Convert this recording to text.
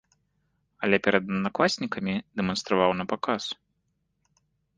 Але перад аднакласнікамі дэманстраваў напаказ.